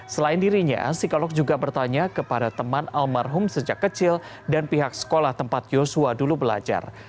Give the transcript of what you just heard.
selain dirinya psikolog juga bertanya kepada teman almarhum sejak kecil dan pihak sekolah tempat yosua dulu belajar